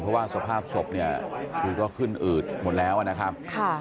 เพราะว่าสภาพศพเนี่ยคือก็ขึ้นอืดหมดแล้วนะครับ